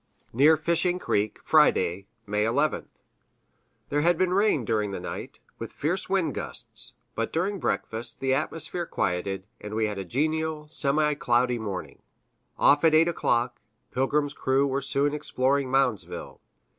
Near Fishing Creek, Friday, May 11th. There had been rain during the night, with fierce wind gusts, but during breakfast the atmosphere quieted, and we had a genial, semi cloudy morning. Off at 8 o'clock, Pilgrim's crew were soon exploring Moundsville.